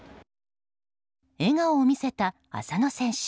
笑顔を見せた浅野選手。